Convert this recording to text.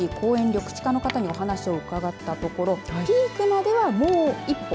緑地課の方にお話を伺ったところピークまではもう一歩。